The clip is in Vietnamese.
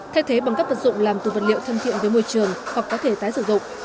thay thế bằng các vật dụng làm từ vật liệu thân thiện với môi trường hoặc có thể tái sử dụng